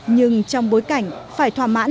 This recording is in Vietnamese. nhưng trong bối cảnh phải thỏa mãn